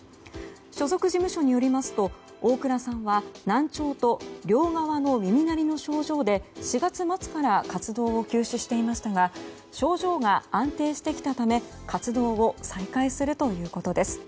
所属事務所によりますと大倉さんは難聴と両側の耳鳴りの症状で４月末から活動を休止していましたが症状が安定してきたため活動を再開するということです。